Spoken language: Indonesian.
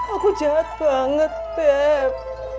aku jahat banget beb